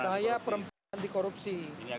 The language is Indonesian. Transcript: saya perempuan anti korupsi